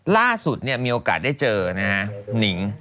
ล่าสุดมีโอกาสได้เจอนิ้ง